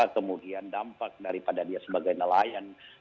kemudian dampak daripada dia sebagai nelayan